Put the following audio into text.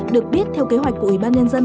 được biết theo kế hoạch của ủy ban nhân dân